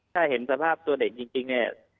ถ้าเห็นสภาพตัวเด็กจริงเนี่ย